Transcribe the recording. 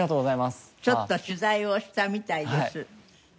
ちょっと取材をしたみたいです。